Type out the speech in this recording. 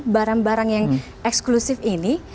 barang barang yang eksklusif ini